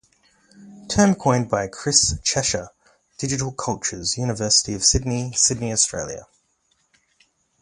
Term coined by Chris Chesher, Digital Cultures, University of Sydney, Sydney, Australia.